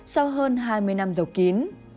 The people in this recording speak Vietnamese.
sau hơn hai mươi năm giàu kín